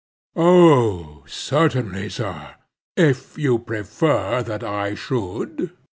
"Oh certainly, sir, if you prefer that I should."